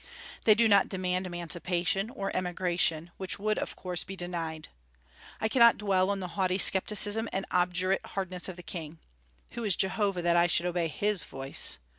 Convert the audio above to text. They do not demand emancipation or emigration, which would of course be denied. I cannot dwell on the haughty scepticism and obdurate hardness of the King "Who is Jehovah, that I should obey his voice?"